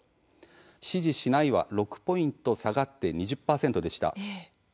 「支持しない」は６ポイント下がって２０％でした。